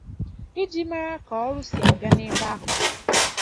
iji mara ka ọrụ si aga n'ebe ahụ